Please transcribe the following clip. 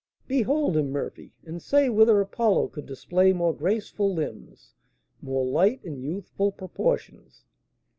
"Behold him, Murphy, and say whether Apollo could display more graceful limbs, more light, and youthful proportions!"